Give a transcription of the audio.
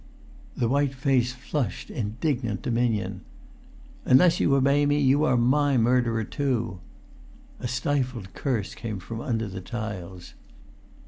The white face flushed indignant dominion. "Unless you obey me, you are my murderer too!" A stifled curse came from under the tiles.